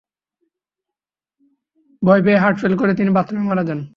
ভয় পেয়ে হার্টফেল করে তিনি বাথরুমে মারা যান।